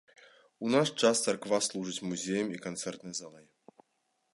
У наш час царква служыць музеем і канцэртнай залай.